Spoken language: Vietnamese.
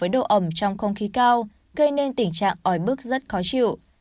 độ ẩm trong không khí cao gây nên tình trạng ói bức rất khó chịu